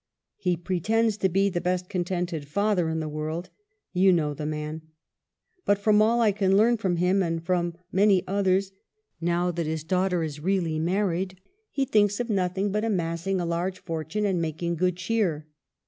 He pre tends to be the best contented father in the world — you know the man ! But from all I can learn from him, and from many others, now that his daughter is THE END. 307 really married he thinks of nothing but amassing a large fortune and making good cheer.